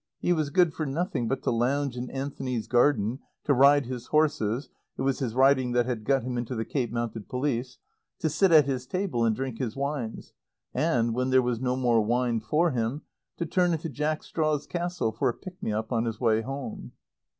He was good for nothing but to lounge in Anthony's garden, to ride his horses it was his riding that had got him into the Cape Mounted Police to sit at his table and drink his wines, and, when there was no more wine for him, to turn into Jack Straw's Castle for a pick me up on his way home.